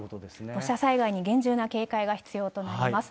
土砂災害に厳重な警戒が必要となります。